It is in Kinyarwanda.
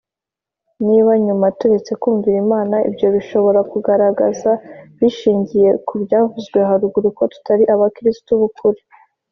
Niba nyuma turetse kwumvira Imana, ibyo bishobora kugaragaza (bishingiye ku byavuzwe haruguru) ko tutari abakristo b'ukuri.